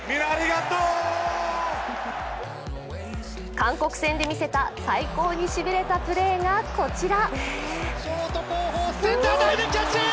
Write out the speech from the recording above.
韓国戦で見せた最高にしびれたプレーがこちら。